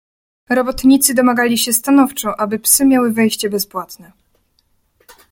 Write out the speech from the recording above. "Robotnicy domagali się stanowczo, aby psy miały wejście bezpłatne."